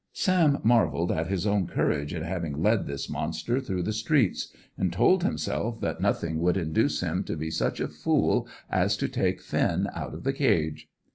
Sam marvelled at his own courage in having led this monster through the streets, and told himself that nothing would induce him to be such a fool as to take Finn out of the cage.